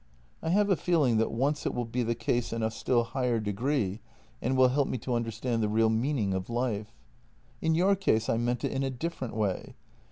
I have a feeling that once it will be the case in a still higher degree, and will help me to under stand the real meaning of life. " In your case, I meant it in a different way.